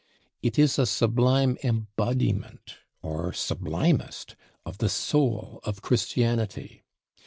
It is a sublime embodiment, or sublimest, of the soul of Christianity.